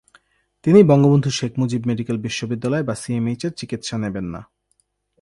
তিনি বঙ্গবন্ধু শেখ মুজিব মেডিকেল বিশ্ববিদ্যালয় বা সিএমএইচে চিকিৎসা নেবেন না।